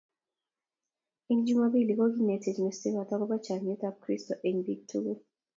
Eng jumambili kokinetech mestowot akobo chamnyet ab kristo eng biik tukul